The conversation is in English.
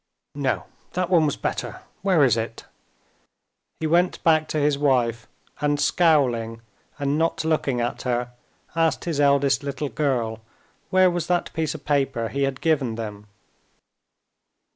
"No, that one was better ... where is it?" He went back to his wife, and scowling, and not looking at her, asked his eldest little girl, where was that piece of paper he had given them?